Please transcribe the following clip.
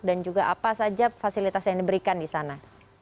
dan juga apa saja fasilitas yang diberikan di sana